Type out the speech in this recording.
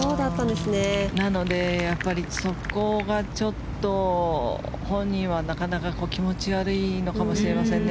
なのでそこがちょっと本人はなかなか気持ち悪いのかもしれませんね。